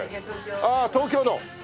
あっ東京の。